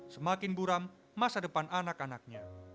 semakin buram masa depan anak anaknya